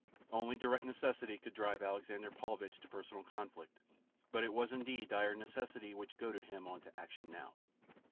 Only direct necessity could drive Alexander Paulvitch to personal conflict; but it was indeed dire necessity which goaded him on to action now.